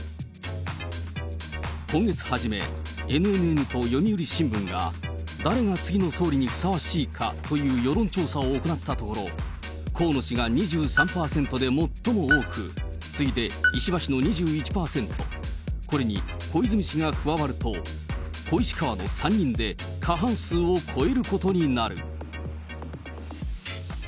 今月初め、ＮＮＮと読売新聞が誰が次の総理にふさわしいかという世論調査を行ったところ、河野氏が２３％で最も多く、次いで石破氏の２１％、これに小泉氏が加わると、小石河の３人で過半数を超えることになる。